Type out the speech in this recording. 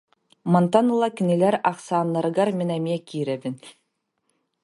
Мантан ыла кинилэр ахсааннарыгар мин эмиэ киирэбин